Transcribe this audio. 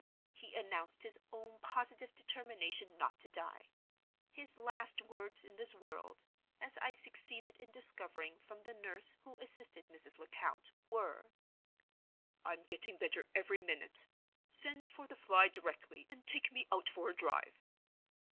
He announced his own positive determination not to die. His last words in this world (as I succeeded in discovering from the nurse who assisted Mrs. Lecount) were: "I'm getting better every minute; send for the fly directly and take me out for a drive."